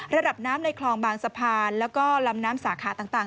ระดับน้ำในคลองบางสะพานแล้วก็ลำน้ำสาขาต่าง